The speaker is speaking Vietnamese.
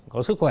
có sức khỏe